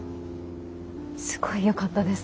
すごいよかったです。